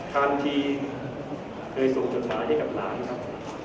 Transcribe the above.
ท่านที่เคยส่งจดหมายให้กับหลานครับ